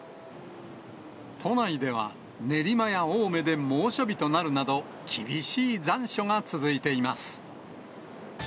都内では、練馬や青梅で猛暑日となるなど、厳しい残暑が続いています。